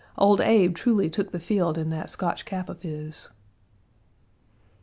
Old Abe truly took the field in that Scotch cap of his.